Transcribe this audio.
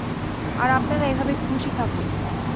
আর আপনারা এভাবেই খুশি থাকুন।